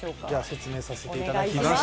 説明させていただきます。